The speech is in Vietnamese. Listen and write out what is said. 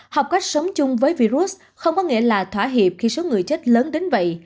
học cách sống chung với virus không có nghĩa là thỏa hiệp khi số người chết lớn đến vậy